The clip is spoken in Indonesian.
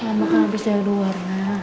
mama kan abis jahil luar